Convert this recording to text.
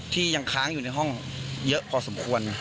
ยังค้างอยู่ในห้องเยอะพอสมควร